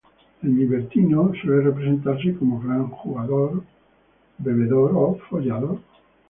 El libertino suele representarse como gran bebedor o jugador.